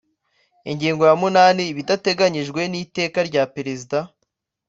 ingingo ya munani ibidateganyijwe n’iteka rya perezida